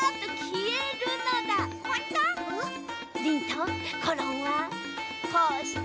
リンとコロンはこうして。